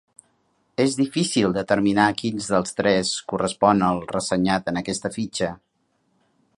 És difícil determinar quin dels tres correspon al ressenyat en aquesta fitxa.